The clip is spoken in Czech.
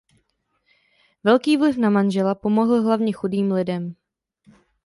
Velký vliv na manžela pomohl hlavně chudým lidem.